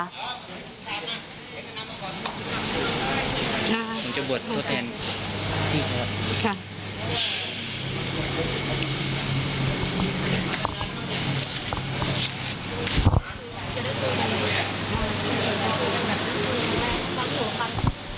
ผมจะบวชโตเตน